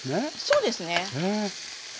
そうですね。